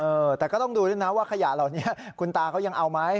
เออแต่ก็ต้องดูด้วยนะว่าขยะเหล่านี้คุณตาเขายังเอาไหม